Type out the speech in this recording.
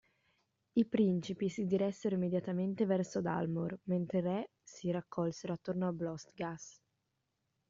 I principi si diressero immediatamente verso Dalmor, mentre i re si raccolsero attorno a Blostgas.